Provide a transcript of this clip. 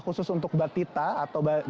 khusus untuk batita atau